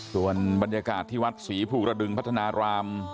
ส่วนบรรยากาศที่วัดศรีภูกระดึงพัฒนาราม